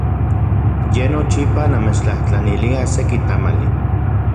Ye nochipa namechtlajtlanilia seki tamali.